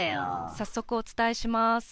早速お伝えしまーす。